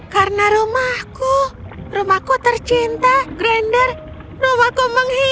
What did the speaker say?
karena rumahku rumahku tercinta granger rumahku menghilang